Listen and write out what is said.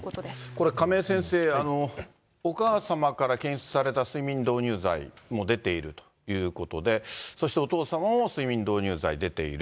これ、亀井先生、お母様から検出された睡眠導入剤も出ているということで、そして、お父様も睡眠導入剤出ている。